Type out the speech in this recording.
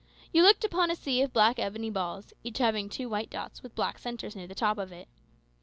You looked upon a sea of black ebony balls, each having two white dots with black centres near the top of it.